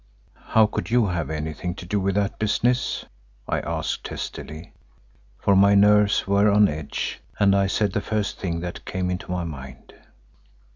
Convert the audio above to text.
"How could you have had anything to do with that business?" I asked testily, for my nerves were on edge and I said the first thing that came into my mind.